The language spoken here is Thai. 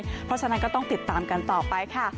เพราะฉะนั้นก็ต้องติดตามกันต่อไปค่ะ